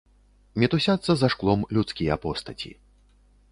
Мітусяцца за шклом людскія постаці.